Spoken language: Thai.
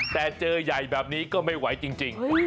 แต่เจอใหญ่แบบนี้ก็ไม่ไหวจริง